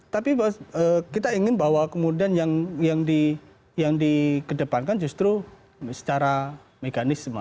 tapi kita ingin bahwa kemudian yang dikedepankan justru secara mekanisme